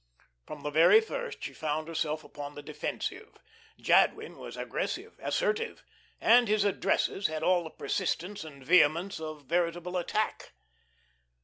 From the very first she found herself upon the defensive. Jadwin was aggressive, assertive, and his addresses had all the persistence and vehemence of veritable attack.